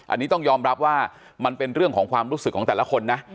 อันนี้ต้องยอมรับว่ามันเป็นเรื่องของความรู้สึกของแต่ละคนนะ